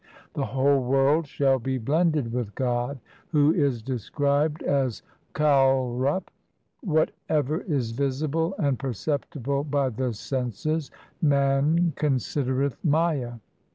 The whole world shall be blended with God, Who is described as Kalrup. 2 Whatever is visible and perceptible by the senses Man considereth Maya.